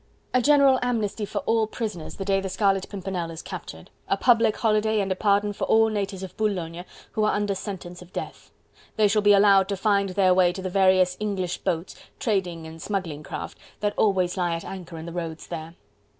A general amnesty for all prisoners the day the Scarlet Pimpernel is captured. A public holiday and a pardon for all natives of Boulogne who are under sentence of death: they shall be allowed to find their way to the various English boats trading and smuggling craft that always lie at anchor in the roads there.